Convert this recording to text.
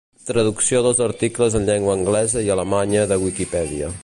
Traducció dels articles en llengua anglesa i alemanya de Wikipedia.